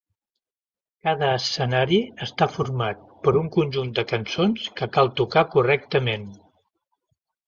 Cada escenari està format per un conjunt de cançons que cal tocar correctament.